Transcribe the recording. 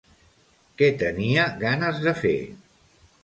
Què tenia ganes de fer?